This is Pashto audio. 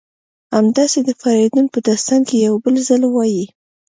همداسې د فریدون په داستان کې یو بل ځل وایي: